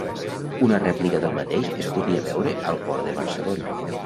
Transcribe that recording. Una rèplica del mateix es podia veure al port de Barcelona.